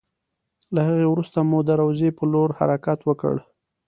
له هغې وروسته مو د روضې په لور حرکت وکړ.